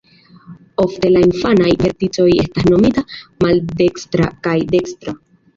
Ofte la infanaj verticoj estas nomita "maldekstra" kaj "dekstra".